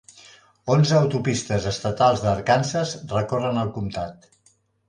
Onze autopistes estatals d'Arkansas recorren el comtat.